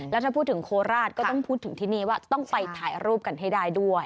แล้วถ้าพูดถึงโคราชก็ต้องพูดถึงที่นี่ว่าต้องไปถ่ายรูปกันให้ได้ด้วย